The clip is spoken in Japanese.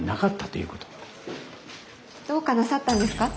どうかなさったんですか？